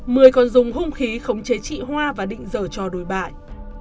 mười còn dùng hung khí khống chế chị hoa và định dở cho đồi bại